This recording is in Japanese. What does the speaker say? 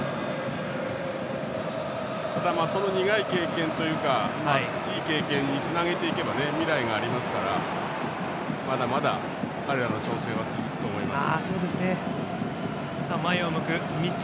その苦い経験をいい経験につなげていけば未来がありますからまだまだ、彼らの挑戦は続くと思います。